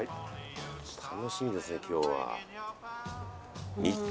楽しみですね今日は。